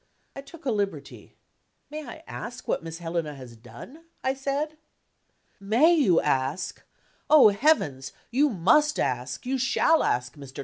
I took a liberty. "May I ask what Miss Helena has done?" I said. "May you ask? Oh, Heavens! you must ask, you shall ask. Mr.